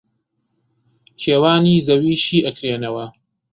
کێوانی زەوی شی ئەکرێنەوە